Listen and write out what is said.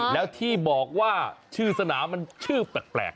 แล้วที่บอกว่าชื่อสนามมันชื่อแปลก